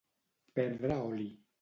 Perdre oli